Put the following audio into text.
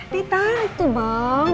ditahan tuh bang